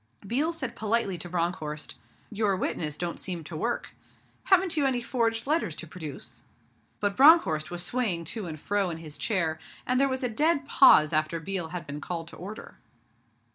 Biel said politely to Bronckhorst, 'Your witnesses don't seem to work. Haven't you any forged letters to produce?' But Bronckhorst was swaying to and fro in his chair, and there was a dead pause after Biel had been called to order.